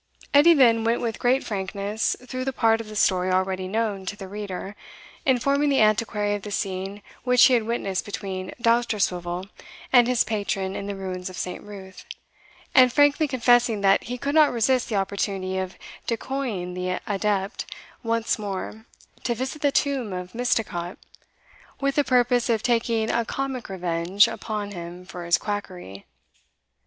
Edie then went with great frankness through the part of the story already known to the reader, informing the Antiquary of the scene which he had witnessed between Dousterswivel and his patron in the ruins of St. Ruth, and frankly confessing that he could not resist the opportunity of decoying the adept once more to visit the tomb of Misticot, with the purpose of taking a comic revenge upon him for his quackery.